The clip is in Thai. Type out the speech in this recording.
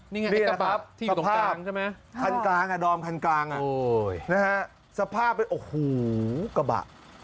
นี่ไงไอ้กระบะที่อยู่ตรงกลางใช่ไหมคันกลางอ่ะดอมคันกลางอ่ะโอ้ยนะฮะสภาพเป็นโอ้โหกระบะ